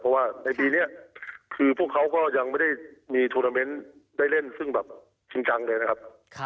เพราะว่าในปีนี้คือพวกเขาก็ยังไม่ได้มีทูนาเมนต์ได้เล่นซึ่งแบบจริงจังเลยนะครับ